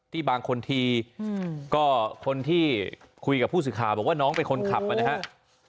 บางคนทีก็คนที่คุยกับผู้สื่อข่าวบอกว่าน้องเป็นคนขับนะครับ